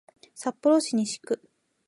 札幌市西区